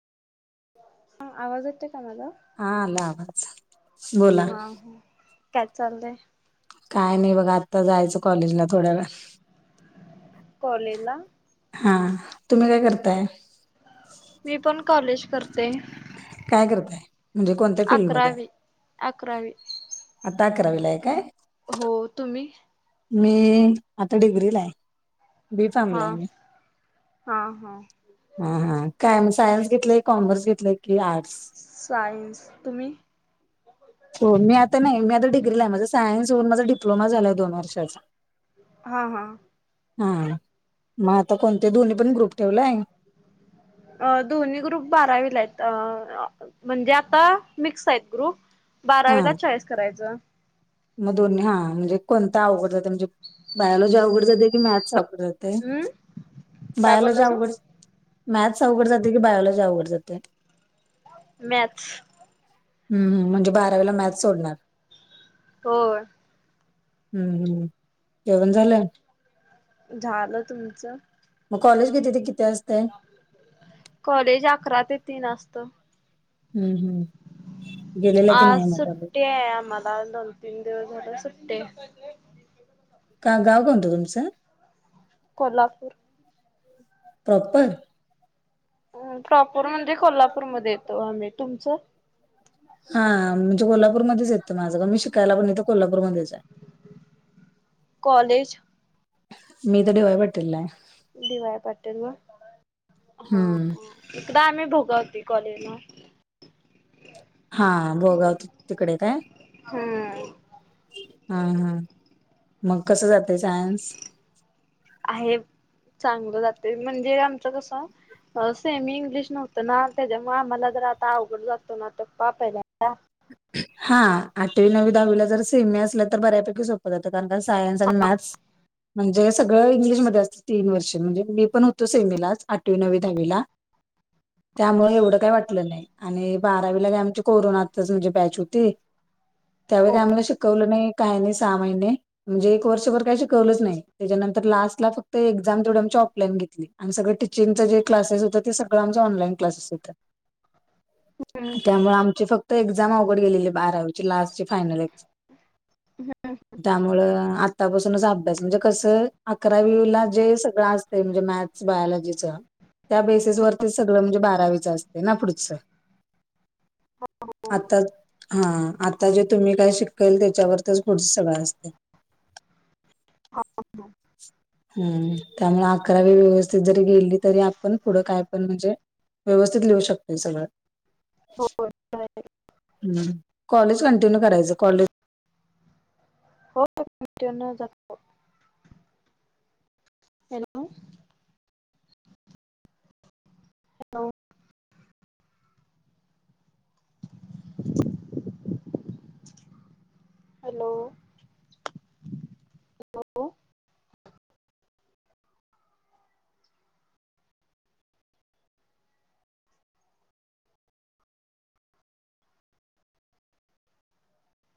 हा आवाज येतोय का माझा? हा आला अवाज. हा काय चालय. काय नाही बघा आत्ता जायचं कॉलेजला थोड्या वेळा कॉलेजला. हा तुम्ही काय करताय? मी पण कॉलेज करते. काय करताय म्हणजे कोणत्या फिल्डमध्ये आहे? अकरावी अकरावी आता आकाराविलय आहे काय? हो तुम्ही? मी आता डिग्रीलाय. बी फामला हा आहे मी. हा हा हा हा काय म सायन्स घेतलंय, कॉमर्स घेतलेय की आर्टस? सायन्स तुम्ही? हो मी आता नाही मी आता डिग्री ला आहे माझे सायन्स होऊन माझा डप्लोमा झाला आहे दोन वर्ष [unintelligible] हा हा. हा मग आता कोणते दोन्ही पण ग्रुप ठेवलाय. अ दोन्ही ग्रुप बारावीला आहेत. अ म्हणजे आता मिक्स आहेत ग्रुप हा बारावीला चॉईस करायचं. मग दोन्ही हा म्हणजे कोणता अवघड जातोय म्हणजे बायलॉजी अवघड जाते की मॅथ्स अवड जातय? हम्म काय बायलॉजी बोललासा अवघड मॅथ्स अवघड जातोय की बायोलॉजी अवघड जातोय? मॅथ्स हम्म, हम्म म्हणजे बारावीला मॅथ सोडणार? हो.. हम्म, हम्म जेवण झालं? झालं. तुमचं? मग कॉलेज किती ते किती असतय? [unintelligible] कॉलेज अकरा ते तीन असत. हम्म, हम्म. गेलेला की आज नाही मग कॉलेज सुट्टी आहे आम्हाला दोन, तीन दिवस झाल सुट्टीय. का गाव काणतं तुमचं? कोल्हापूर. प्रॉपर? प्रॉपोर म्हणजे कोल्हापूरमध्ये येतो आम्ही. तुमचं? हा म्हणजे कोल्हापूरमध्येच येतं माझं मी शिकायला पण इथ कोल्हापूरमध्येच आहे. कॉलेज? मी इथं डी वाय पाटीललाय. डी वाय पाटील होय हा हा. हम्म इकडं आम्ही भोगावती कॉलेजला. हा भोगावती तिकडे काय? हम्म. हा हा मग कसं जातंय सायन्स? आहे चांगलं जातंय म्हणजे आमचं कसं अह सेमी इंग्लिश नव्हतं ना त्याच्यामुळं आम्हाला जरा आता अवघड जातो ना आता पा पहिल्यांदा हा आठवी नववी दहावीला जर सेमी असलं तर बऱ्यापैकी सोपं जातं कारण का सायन्स आणि मॅथ्स म्हणजे सगळं इंग्लिशमध्येच असतं तीन वर्षे म्हणजे मी पण होतो सेमीलाच आठवी नववी दहावीला त्यामुळं एवढं काय वाटलं नाही आणि बारावीला काय आमची कोरोनातच म्हणजे बॅच होती त्यावेळी हो काय आम्हाला शिकवलं नाही काय नाही सहा महिने म्हणजे एक वर्षभर काही शिकवलंच नाही. त्याच्यानंतर लास्ट ला फक्त एक्झाम तेवढी आमची ऑफलाईन घेतली. आणि सगळं टिचिंगचं जे क्लासेस होतं ते सगळं आमचं ऑनलाईन क्लासेस होतं. [unintelligible] त्यामुळं आमची फक्त एक्झ एक्झाम अवघड गेलेली बारावीची लास्टची फायनल एक्झ हम्म. त्यामुळं आतापासूनच अभ्यास म्हणजे कसं अकरावीला जे सगळं असतंय म्हणजे मॅथ स, बायलॉजीचं त्या बेसिस वरती सगळं म्हणजे बारावीचं असतंय ना पुढचं आता हा आता जे तुम्ही काय शिकल त्याच्यावरतीच पुुढचं सगळं असतं [inaudible] हम्म त्यामुळं अकरावी व्यवस्थित जरी गेली तरी आपण पुढं काय पण म्हणजे व्यवस्थित लिहू शकतोय सगळं हो हम्म कॉलेज कंटिन्यू करायचं कॉलेज कंटिन्यू जात हॅलो. हॅलो